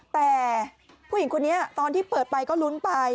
แต่ผู้หญิงคนนี้ตอนที่เปิดไปก็ลุ้นไป